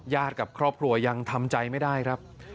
กับครอบครัวยังทำใจไม่ได้ครับ